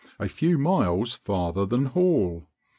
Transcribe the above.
a few miles farther than Hall.